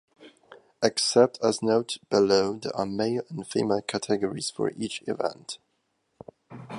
Except as noted below, there are male and female categories for each event.